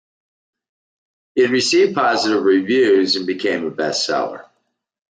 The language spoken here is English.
It received positive reviews and became a bestseller.